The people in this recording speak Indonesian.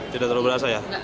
tidak terlalu berasa ya